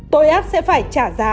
tội ác sẽ phải trả giá